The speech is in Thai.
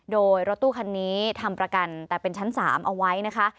โดยรถตู้คันนี้ทำประกันแต่เป็นชั้น๓เอาไว้นะคะ